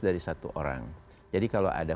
dari satu orang jadi kalau ada